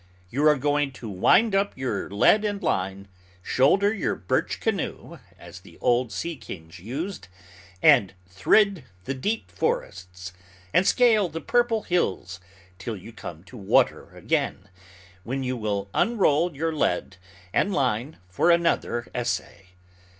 You are going to wind up your lead and line, shoulder your birch canoe, as the old sea kings used, and thrid the deep forests, and scale the purple hills, till you come to water again, when you will unroll your lead and line for another essay.